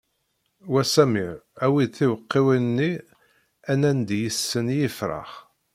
Wa Samir awi-d tiwekkiwin-nni ad nandi yis-sent i yefrax!